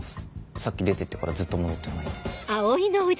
さっき出てってからずっと戻ってこないんで。